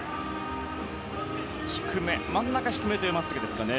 真ん中低めというまっすぐでしたね。